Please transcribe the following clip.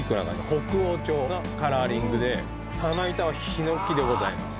北欧調のカラーリングで、棚板はヒノキでございます。